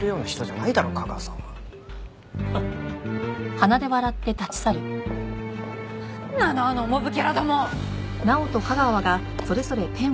なんなのあのモブキャラども！